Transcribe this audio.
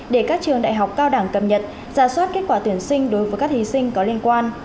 để các trường đại học cao đẳng cập nhật giả soát kết quả tuyển sinh đối với các thí sinh có liên quan